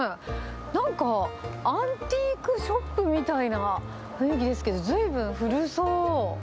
なんか、アンティークショップみたいな雰囲気ですけど、ずいぶん古そう。